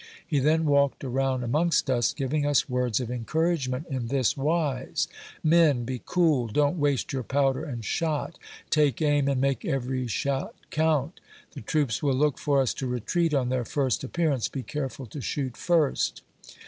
He then walked around amongst us, giving us words of encour agement, in this wise :—" Men ! be cool ! Don't waste your powder and shot ! Take aim, and make every shot count !"" The troops will look for us to retreat on their first appear ance; be careful to shoot first."